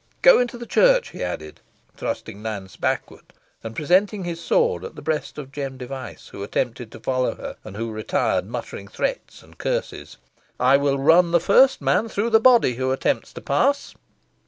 Go into the church," he added, thrusting Nance backward, and presenting his sword at the breast of Jem Device, who attempted to follow her, and who retired muttering threats and curses; "I will run the first man through the body who attempts to pass."